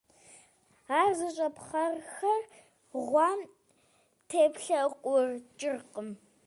Ар зыщӀэ пхъэрхэр гъуэм теплъэкъукӀыркъым.